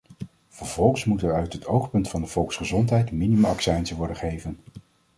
Vervolgens moeten er uit het oogpunt van de volksgezondheid minimumaccijnzen worden geheven.